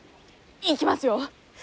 いきますよ。